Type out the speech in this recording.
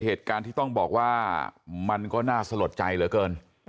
เหตุการณ์ที่ต้องบอกว่ามันก็น่าสลดใจเหลือเกิน